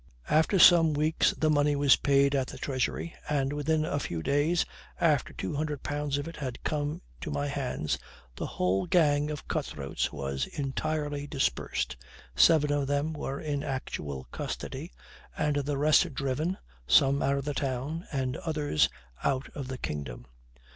After some weeks the money was paid at the treasury, and within a few days after two hundred pounds of it had come to my hands, the whole gang of cut throats was entirely dispersed, seven of them were in actual custody, and the rest driven, some out of the town, and others out of the kingdom.